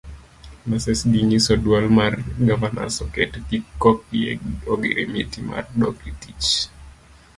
Nurses ginyiso duol mar governors oket kokgi e ogirimiti mar dok etich.